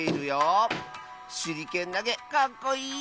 しゅりけんなげかっこいい！